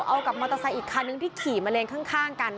เอากับมอเตอร์ไซค์อีกคันนึงที่ขี่มาเลนข้างกัน